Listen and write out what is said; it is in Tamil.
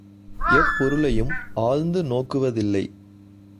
எப்பொருளையும் ஆழ்ந்து நோக்குவதில்லை.